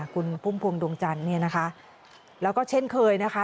คุณพุ่งพวงดวงจันทร์แล้วก็เช่นเคยนะคะ